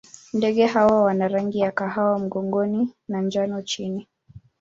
Ndege hawa wana rangi ya kahawa mgongoni na njano chini.